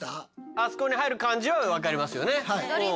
あそこに入る漢字はわかりますよね。